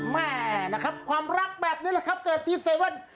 แม่นะครับความรักแบบนี้แหละครับเกิดที่๗๑๑